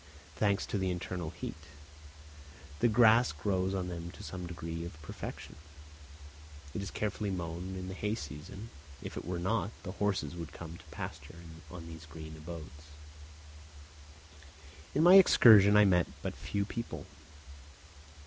Thanks to the internal heat, the grass grows on them to some degree of perfection. It is carefully mown in the hay season; if it were not, the horses would come to pasture on these green abodes. In my excursion I met but few people.